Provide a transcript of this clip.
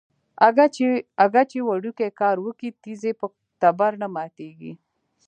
اگه چې وړوکی کار وکي ټيز يې په تبر نه ماتېږي.